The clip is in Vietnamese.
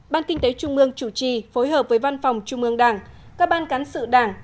ban kinh tế trung ương chủ trì phối hợp với văn phòng trung ương đảng các ban cán sự đảng